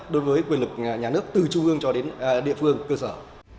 đối với quyền lực nhà nước từ trung ương cho đến địa phương cơ sở